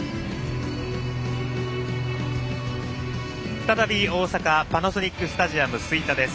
再び大阪パナソニックスタジアム吹田です。